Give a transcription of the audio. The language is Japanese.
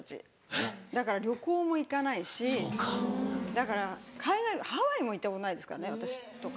だから海外ハワイも行ったことないですからね私とか。